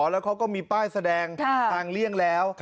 แล้วเขาก็มีป้ายแสดงทางเลี่ยงแล้ว